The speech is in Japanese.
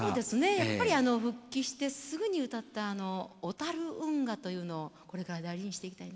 やっぱり復帰してすぐに歌った「小運河」というのをこれから大事にしていきたいなと思ってるんですよね。